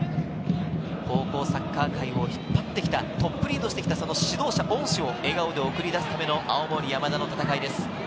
高校サッカー界を引っ張ってきた、トップリードしてきた、指導者・恩師を笑顔で送り出すための青森山田の戦いです。